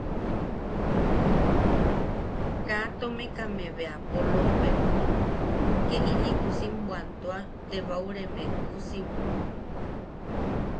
Kaa tomekame bea polobem ke ili usim bwantua tebaureme usim.